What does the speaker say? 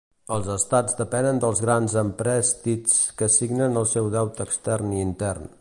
Els estats depenen dels grans emprèstits que signen el seu deute extern i intern.